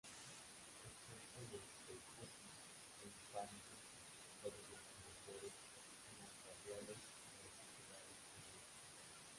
Excepto los de Curtiss e Hispano-Suiza, todos estos motores eran radiales refrigerados por aire.